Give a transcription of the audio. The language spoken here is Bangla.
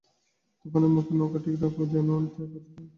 তুফানের মুখে নৌকো ঠিক রাখাও যেমন একটা কাজ, মাথা ঠিক রাখাও তেমনি।